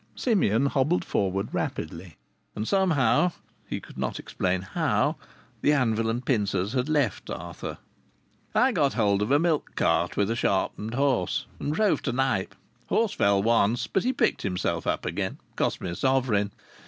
Simeon hobbled forward rapidly, and somehow (he could not explain how) the anvil and pincers had left Arthur. "I got hold of a milk cart with a sharpened horse, and drove to Knype. Horse fell once, but he picked himself up again. Cost me a sovereign.